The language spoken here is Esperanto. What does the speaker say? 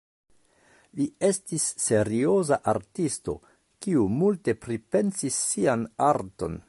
Li estis serioza artisto, kiu multe pripensis sian arton.